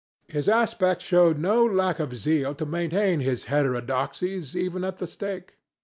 His aspect showed no lack of zeal to maintain his heterodoxies even at the stake.